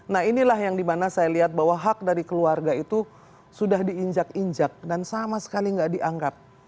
nah inilah yang dimana saya lihat bahwa hak dari keluarga itu sudah diinjak injak dan sama sekali nggak dianggap